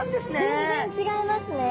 全然違いますね。